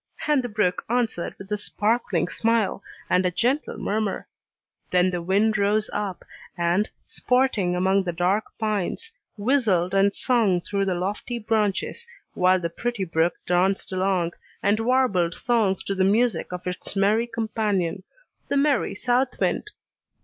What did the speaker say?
And the brook answered with a sparkling smile, and a gentle murmur. Then the wind rose up, and, sporting among the dark pines, whistled and sung through the lofty branches, while the pretty brook danced along, and warbled songs to the music of its merry companion, the merry south wind!